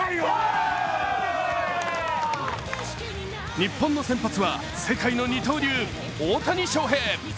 日本の先発は世界の二刀流・大谷翔平。